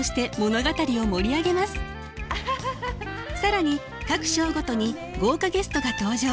更に各章ごとに豪華ゲストが登場。